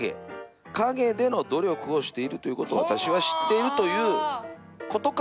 陰での努力をしているということを私は知っているということかもしれませんよね。